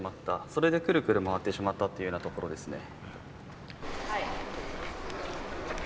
それでクルクル回ってしまったっていうようなところですね。